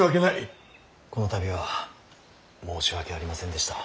この度は申し訳ありませんでした。